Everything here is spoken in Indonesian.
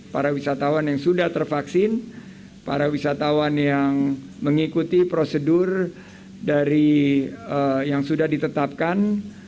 para wisatawan yang sudah tervaksin para wisatawan yang mengikuti prosedur yang sudah ditetapkan